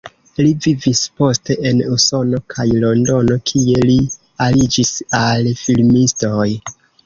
Li vivis poste en Usono kaj Londono, kie li aliĝis al filmistoj.